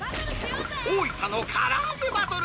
大分のからあげバトル。